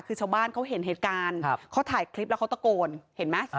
คือชาวบ้านเขาเห็นเหตุการณ์เขาถ่ายคลิปแล้วเขาตะโกนเห็นไหม